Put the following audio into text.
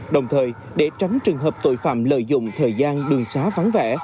đồng thời để tránh trường hợp tội phạm lợi dụng thời gian đường xá vắng vẻ